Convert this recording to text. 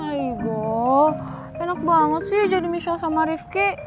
aigoo enak banget sih jadi misal sama rifki